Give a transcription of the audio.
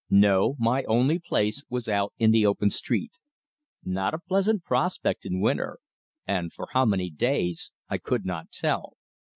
No, my only place was out in the open street. Not a pleasant prospect in winter, and for how many days I could not tell.